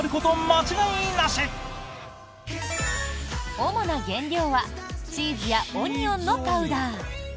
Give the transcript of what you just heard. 主な原料はチーズやオニオンのパウダー。